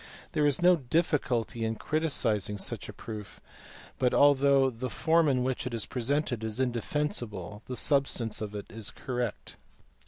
There is no diffi CAVALIERI. 281 culty in criticizing such a proof, but, although the form in which it is presented is indefensible, the substance of it is correct.